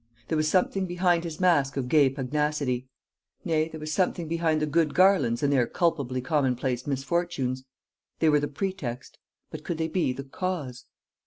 There was something behind his mask of gay pugnacity; nay, there was something behind the good Garlands and their culpably commonplace misfortunes. They were the pretext. But could they be the Cause?